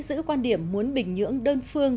giữ quan điểm muốn bình nhưỡng đơn phương